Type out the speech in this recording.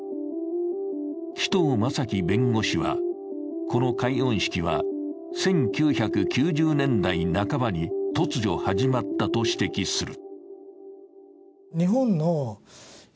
紀藤正樹弁護士は、この解怨式は１９９０年代半ばに突如、始まったと指摘する。